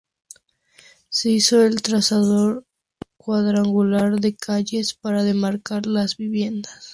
Se hizo el trazado cuadrangular de calles para demarcar las viviendas.